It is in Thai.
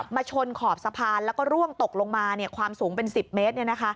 ชนขอบสะพานแล้วก็ร่วงตกลงมาความสูงเป็น๑๐เมตร